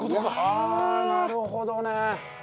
ああなるほどね。